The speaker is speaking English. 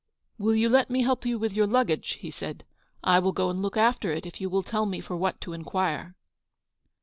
10 " Will you let me help you with your luggage? " he said. " I will go aud look after it if you will tell me for what to inquire."